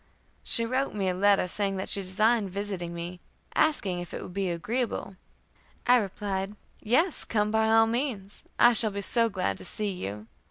She wrote me a letter, saying that she designed visiting me, asking if it would be agreeable. I replied, "Yes, come by all means. I shall be so glad to see you."